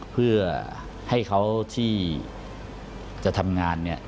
เพื่อให้เขาที่จะทำงานเนี่ย